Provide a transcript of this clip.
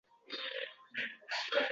Buni bergani esa, qoʻlimda pul yoʻq edi